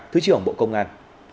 thứ trưởng bộ công an